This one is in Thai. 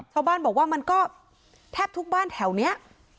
ชาวบ้านบอกว่ามันก็แทบทุกบ้านแถวนี้